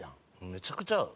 めちゃくちゃ合う？